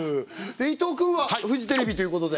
伊藤くんはフジテレビということで。